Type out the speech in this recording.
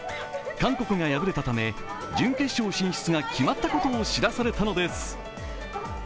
韓国が敗れたため準決勝進出が決まったことを知らされたのです。